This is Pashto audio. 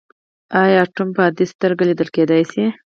ایا اتوم په عادي سترګو لیدل کیدی شي.